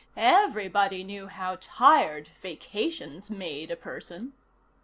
Everybody knew how tired vacations made a person.